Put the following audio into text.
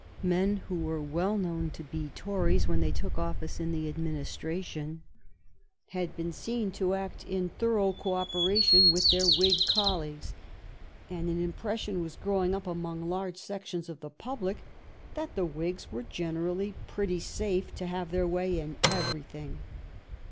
Men who were well known to be Tories when they took office in the administration had been seen to act in thorough co operation with their Whig colleagues, and an impression was growing up among large sec tions of the public that the Whigs were generally pretty safe to have their way in everything.